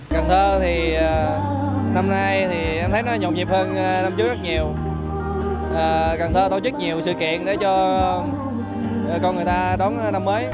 cần thơ năm nay nhộn nhịp hơn năm trước rất nhiều cần thơ tổ chức nhiều sự kiện để cho con người ta đón năm mới